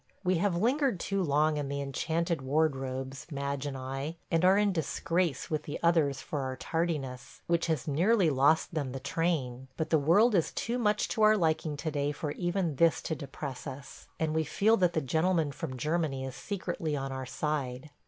We have lingered too long in the enchanted wardrobes, Madge and I, and are in disgrace with the others for our tardiness, which has nearly lost them the train, ... but the world is too much to our liking to day for even this to depress us, and we feel that the Gentleman from Germany is secretly on our side.